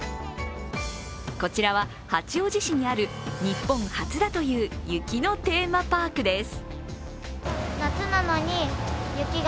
こちらは、八王子市にある日本初だという雪のテーマパークです。